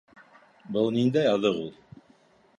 Был ниндәй аҙыҡ ул?